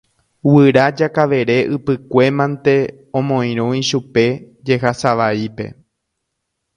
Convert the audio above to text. Guyra Jakavere ypykue mante omoirũ ichupe jehasavaípe.